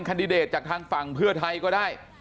คันดิเดตจากทางฝั่งเพื่อไทยก็ได้